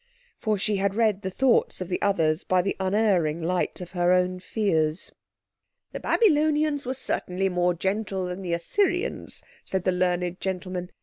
For she had read the thoughts of the others by the unerring light of her own fears. "The Babylonians were certainly more gentle than the Assyrians," said the learned gentleman.